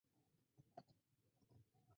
Es uno de los halos más brillantes y coloridos.